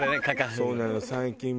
そうなのよ。